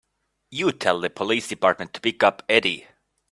You tell the police department to pick up Eddie.